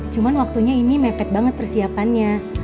cuma waktunya ini mepet banget persiapannya